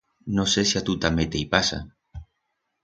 No sé si a tu tamé te i pasa.